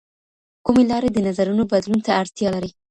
کومې لاري د نظرونو بدلون ته اړتيا لري؟